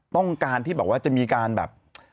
ต้องการที่จะมีการแบบ